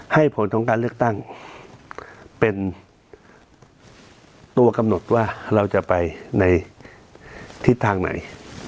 ให้ผลของการเลือกตั้งเป็นตัวกำหนดว่าเราจะไปในทิศทางไหน